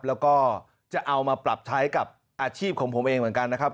แล้วก็จะเอามาปรับใช้กับอาชีพของผมเองเหมือนกันนะครับ